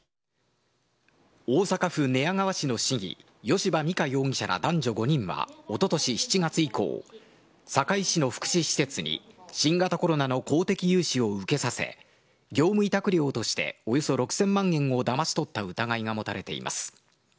大阪府寝屋川市の市議、吉羽美華容疑者ら男女５人はおととし７月以降、堺市の福祉施設に新型コロナの公的融資を受けさせ、業務委託料としておよそ６０００万円をだまし取った疑いが持たれています。